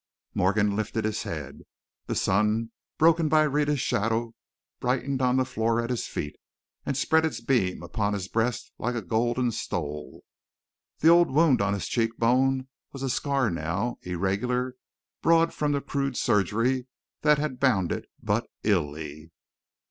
Morgan lifted his head. The sun, broken by Rhetta's shadow, brightened on the floor at his feet, and spread its beam upon his breast like a golden stole. The old wound on his check bone was a scar now, irregular, broad from the crude surgery that had bound it but illy.